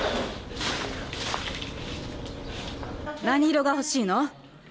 何色が欲しいの？